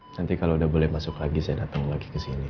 nanti kalau udah boleh masuk lagi saya datang lagi ke sini